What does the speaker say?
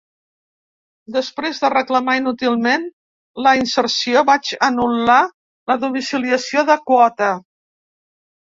Després de reclamar inútilment la inserció vaig anul·lar la domiciliació de quota.